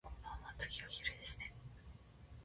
こんばんわ、月がきれいですね